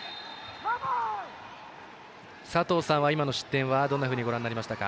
佐藤さんは今の失点はどんなふうにご覧になりましたか。